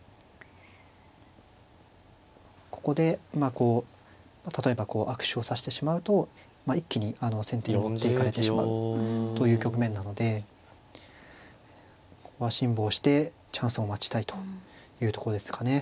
ここでまあこう例えば悪手を指してしまうと一気に先手に持っていかれてしまうという局面なのでここは辛抱してチャンスを待ちたいというとこですかね。